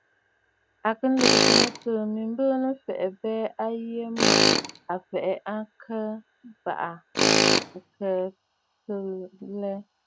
À kɨ lɨ̀gɨtə̀ mɨtɨ̀ɨ̂ mi mbɨɨnə̀ m̀fɛ̀ʼɛ̀ abɛɛ a yə mə a fɛ̀ʼɛ akə bə khə̂kə̀ lɛ.